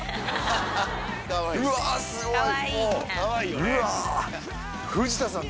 うわすごい！